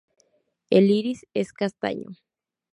El iris es castaño.